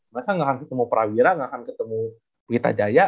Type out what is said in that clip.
mereka ga akan ketemu prawira ga akan ketemu wittajaya